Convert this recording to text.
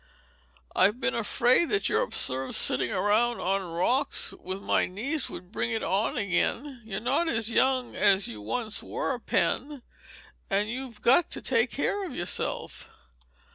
I've been afraid that your absurd sitting around on rocks with my niece would bring it on again. You're not as young as you once were, Pen, and you've got to take care of yourself."